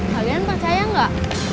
kalian percaya enggak